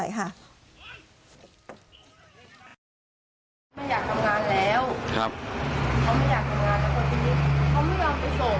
ไม่อยากทำงานแล้วเขาไม่อยากทำงานแล้วคนนี้เขาไม่ยอมไปส่ง